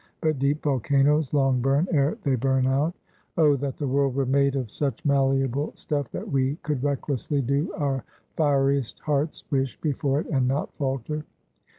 But deep volcanoes long burn, ere they burn out. Oh, that the world were made of such malleable stuff, that we could recklessly do our fieriest heart's wish before it, and not falter.